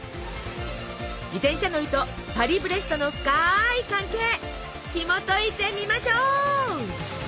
自転車乗りとパリブレストの深い関係ひもといてみましょう。